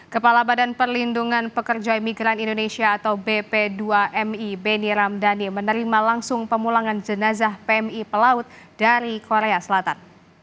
kepala badan perlindungan pekerja imigran indonesia atau bp dua mi beni ramdhani menerima langsung pemulangan jenazah pmi pelaut dari korea selatan